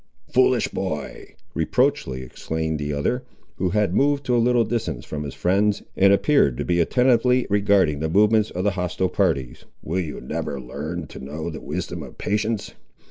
"Foolish boy!" reproachfully exclaimed the other, who had moved to a little distance from his friends, and appeared to be attentively regarding the movements of the hostile parties, "will you never learn to know the wisdom of patience?